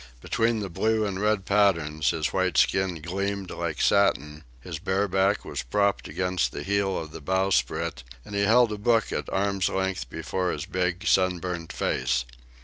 Between the blue and red patterns his white skin gleamed like satin; his bare back was propped against the heel of the bowsprit, and he held a book at arm's length before his big, sunburnt face.